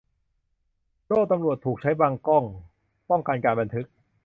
โล่ตำรวจถูกใช้บังกล้อง ป้องกันการบันทึก